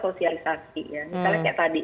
sosialisasi misalnya kayak tadi